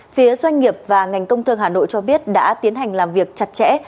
phía doanh nghiệp và ngành công thương hà nội cho biết đã tiến hành làm việc chặt chẽ